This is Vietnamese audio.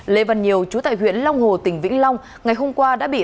lê văn nhiều chú tại huyện long hồ tỉnh vĩnh long ngày hôm qua đã bị